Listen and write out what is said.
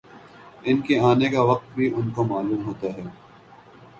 ان کے آنے کا وقت بھی ان کو معلوم ہوتا ہے